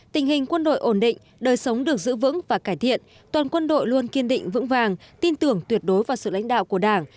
tình hình quân đội ổn định đời sống được giữ vững và cải thiện toàn quân đội luôn kiên định vững vàng tin tưởng tuyệt đối vào sự lãnh đạo của đảng